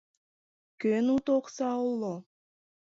— Кӧн уто окса уло?